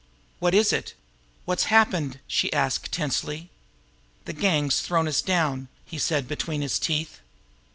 "What is it? What's happened?" she asked tensely. "The gang's thrown us down!" he said between his teeth.